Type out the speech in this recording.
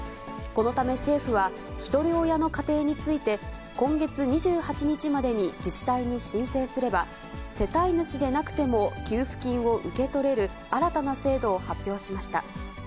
このため政府は、ひとり親の家庭について、今月２８日までに自治体に申請すれば、世帯主でなくても給付金を受け取れる新たな制度を発表しました。